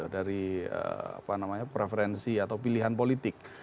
dari preferensi atau pilihan politik